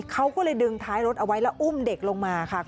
เขาก็เลยดึงท้ายรถเอาไว้แล้วอุ้มเด็กลงมาค่ะ